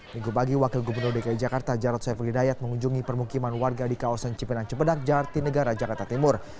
minggu pagi wakil gubernur dki jakarta jarod saiful hidayat mengunjungi permukiman warga di kawasan cipinang cepedak jartinegara jakarta timur